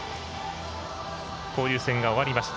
交流戦が終わりました。